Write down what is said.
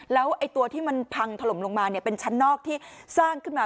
แล้วตัวที่มันพังถล่มลงมาเนี่ยเป็นชั้นนอกที่สร้างขึ้นมา